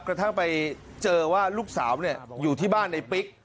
กระทั่งไปเจอว่าลูกสาวอยู่ที่บ้านในปิ๊ก